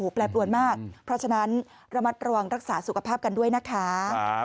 แปรปรวนมากเพราะฉะนั้นระมัดระวังรักษาสุขภาพกันด้วยนะคะ